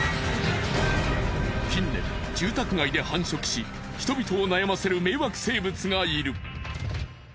近年住宅街で繁殖し人々を悩ませる迷惑生物がいる。